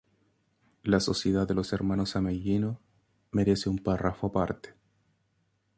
La sociedad de los hermanos Ameghino merece un párrafo aparte.